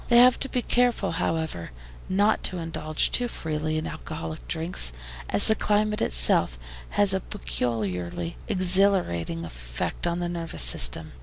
They have to be careful, however, not to indulge too freely in alcoholic drinks, as the climate itself has a peculiarly exhilarating effect on the nervous system.